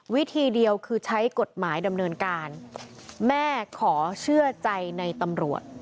วิธีเดียวคือใช้กฎหมายดำเนินการแม่ขอเชื่อใจในตำรวจ